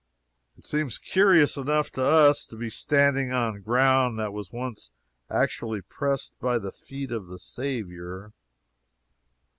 It seems curious enough to us to be standing on ground that was once actually pressed by the feet of the Saviour.